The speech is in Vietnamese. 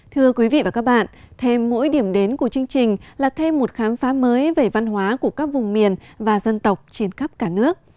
thưa quý vị và các bạn thêm mỗi điểm đến của chương trình là thêm một khám phá mới về văn hóa của các vùng miền và dân tộc trên khắp cả nước